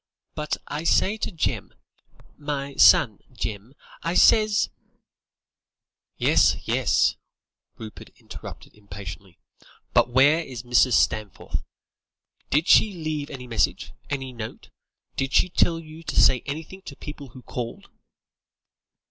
But I says to Jem, my son, 'Jem,' I says " "Yes, yes," Rupert interrupted impatiently, "but where is Mrs. Stanforth? Did she leave any message? Any note? Did she tell you to say anything to people who called?"